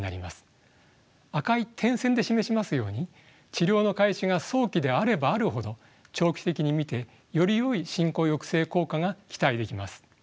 赤い点線で示しますように治療の開始が早期であればあるほど長期的に見てよりよい進行抑制効果が期待できます。